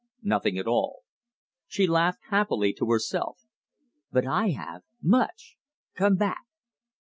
"Nothing at all." She laughed happily to herself. "But I have much. Come back."